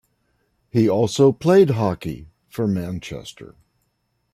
He also played hockey for Manchester.